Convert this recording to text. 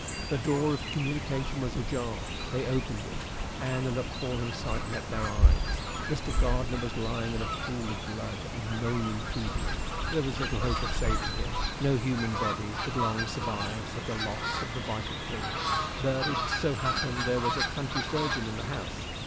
The door of communication was ajar; they opened it, and an appalling sight met their eyes: Mr. Gardiner was lying in a pool of blood and moaning feebly. There was little hope of saving him; no human body could long survive such a loss of the vital fluid. But it so happened there was a country surgeon in the house.